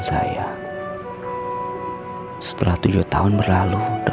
kamu suka banget makan rawon